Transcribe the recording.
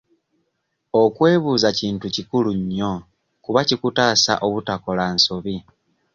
Okwebuuza kintu kikulu nnyo kuba kikutaasa obutakola nsobi.